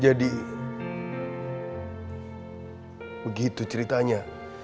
jadi begitu ceritanya